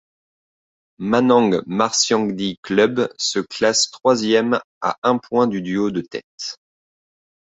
Manang Marsyangdi Club se classe troisième à un point du duo de tête.